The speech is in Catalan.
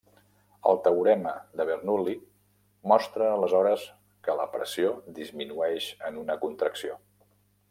El teorema de Bernoulli mostra aleshores que la pressió disminueix en una contracció.